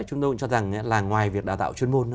chúng tôi cũng cho rằng là ngoài việc đào tạo chuyên môn